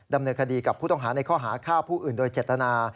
ดำเนินคดีกับผู้ต้องหาในข้อหาฆ่าผู้อื่นโดยเจตนา